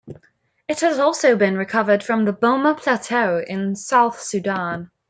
It has also been recovered from the Boma Plateau in South Sudan.